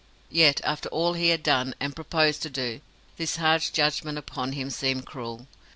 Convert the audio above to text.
Yet, after all he had done, and proposed to do, this harsh judgment upon him seemed cruel.